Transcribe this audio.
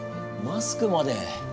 マスクまで。